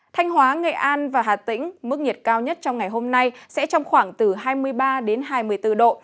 thanh hóa nghệ an và hà tĩnh mức nhiệt cao nhất trong ngày hôm nay sẽ trong khoảng từ hai mươi ba đến hai mươi bốn độ